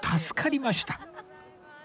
助かりました